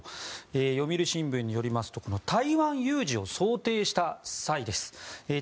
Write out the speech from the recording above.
読売新聞によりますと台湾有事を想定した際です。